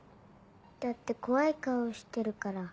だって怖い顔してるから。